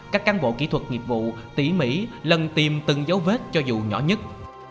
các cán bộ kỹ thuật nghiệp vụ tỉ mỉ lần tìm từng dấu vết cho dù nhỏ nhất